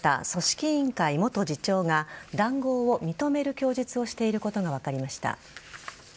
委員会元次長が談合を認める供述をしていることが分かりました。